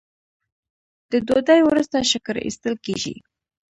د ډوډۍ وروسته شکر ایستل کیږي.